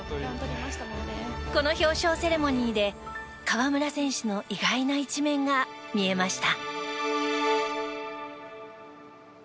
この表彰セレモニーで河村選手の意外な一面が見えました。